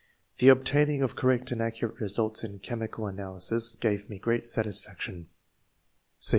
The obtaining of correct and accurate results in chemical analycds gave me great satLsfiaction."